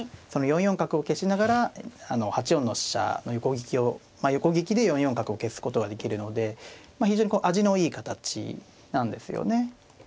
その４四角を消しながら８四の飛車の横利きをまあ横利きで４四角を消すことができるので非常に味のいい形なんですよね。